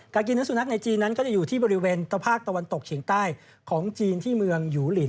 กินเนื้อสุนัขในจีนนั้นก็จะอยู่ที่บริเวณตะภาคตะวันตกเฉียงใต้ของจีนที่เมืองหยูลิน